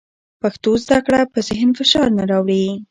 پښتو زده کړه په ذهن فشار نه راوړي.